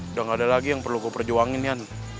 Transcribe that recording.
udah gak ada lagi yang perlu gue perjuangin ya